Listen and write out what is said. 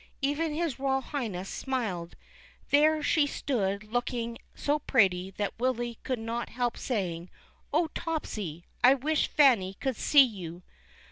Even his Royal Highness THE KING CAT. 371 smiled. There she stood looking so pretty that Willy could not help saying, " 0 Topsy ! I wish Fanny could see you.